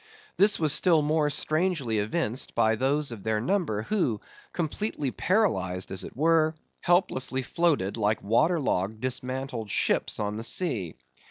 This was still more strangely evinced by those of their number, who, completely paralysed as it were, helplessly floated like water logged dismantled ships on the sea.